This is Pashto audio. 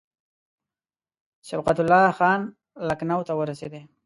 صبغت الله خان لکنهو ته ورسېدی.